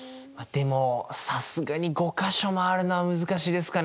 でもさすがに５か所周るのは難しいですかね。